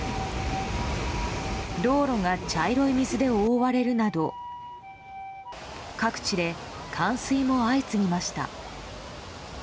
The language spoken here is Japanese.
道路が茶色い水で覆われるなど各地で冠水も相次ぎました。